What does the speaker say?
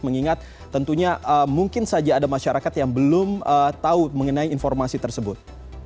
mengingat tentunya mungkin saja ada masyarakat yang belum tahu mengenai informasi tersebut